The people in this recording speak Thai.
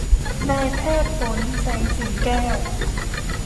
นายแพทย์ฝน แสงสิงแก้ว